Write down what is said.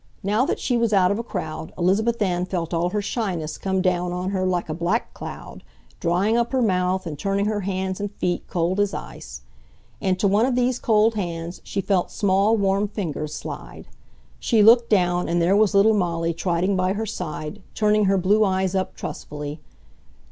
Now that she was out of a crowd Elizabeth Ann felt all her shyness come down on her like a black cloud, drying up her mouth and turning her hands and feet cold as ice. Into one of these cold hands she felt small, warm fingers slide. She looked down and there was little Molly trotting by her side, turning her blue eyes up trustfully.